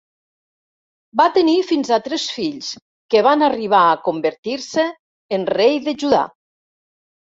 Va tenir fins a tres fills que van arribar a convertir-se en rei de Judà.